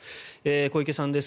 小池さんです。